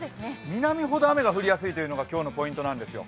南ほど雨が降りやすいというのが今日のポイントなんですよ。